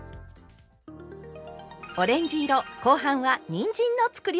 オレンジ色後半はにんじんのつくりおきです。